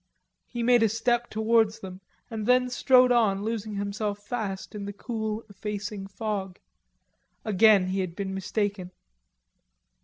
He made a step towards them, and then strode on losing himself fast in the cool effacing fog. Again he had been mistaken.